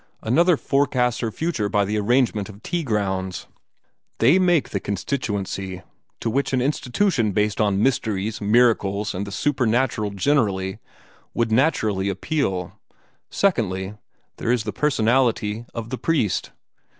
Another forecasts her future by the arrangement of tea grounds. They make the constituency to which an institution based on mysteries, miracles, and the supernatural generally, would naturally appeal. Secondly, there is the personality of the priest."